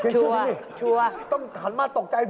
เจ๊เชื่อครับนี่ต้องหันมาตกใจ